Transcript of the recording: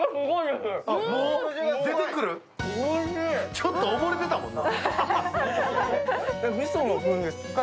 ちょっと溺れてたもんな。